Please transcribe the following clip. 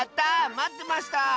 まってました！